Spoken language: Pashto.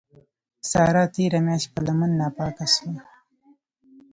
سارا تېره مياشت په لمن ناپاکه سوه.